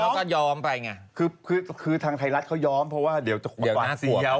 เขาก็ยอมไปไงคือคือทันทายรัฐเขายอมเพราะว่าเดี๋ยวจะเขาดูสีเยาว์